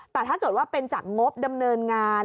แต่ถ้าเกิดว่าเป็นจากงบดำเนินงาน